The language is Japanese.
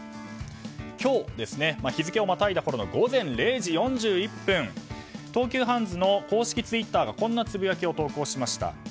今日、日付をまたいだころの午前０時４１分、東急ハンズの公式ツイッターがこんなつぶやきを投稿しました。